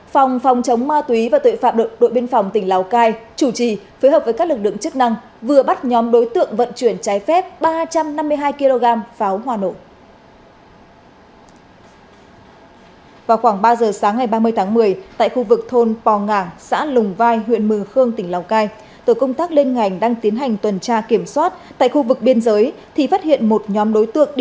phòng phòng chống ma túy và tội phạm đội biên phòng tỉnh lào cai chủ trì phối hợp với các lực lượng chức năng vừa bắt nhóm đối tượng vận chuyển trái phép ba trăm năm mươi hai kg pháo hoa nộ